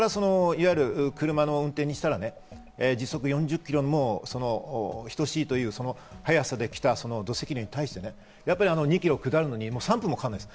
車の運転にしたら時速４０キロにも等しいという早さできた土石流に対して２ｋｍ下るのに３分もかからない。